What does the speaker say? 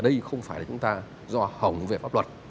đây không phải là chúng ta do hỏng về pháp luật